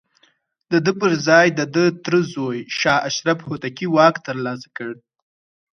د ده پر ځاى د ده تره زوی شاه اشرف هوتکي واک ترلاسه کړ.